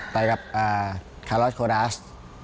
ไปกับคารอศคอลดาส